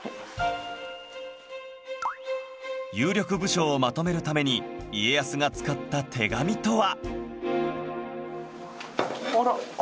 有力武将をまとめるために家康が使った手紙とは？